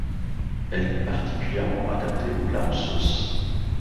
Elle est particulièrement adaptée aux plats en sauce.